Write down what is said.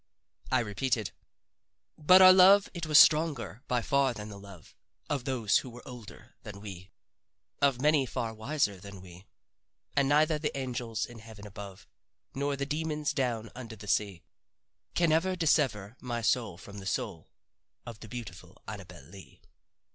I repeated: "'But our love it was stronger by far than the love Of those who were older than we, Of many far wiser than we; And neither the angels in heaven above, Nor the demons down under the sea, Can ever dissever my soul from the soul Of the beautiful Annabel Lee.